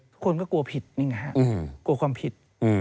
ทุกคนก็กลัวผิดนี่ไงฮะกลัวความผิด